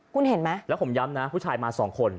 คุณเห็นไหมแล้วผมย้ำนะผู้ชายมาสองคน